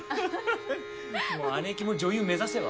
もう姉貴も女優目指せば？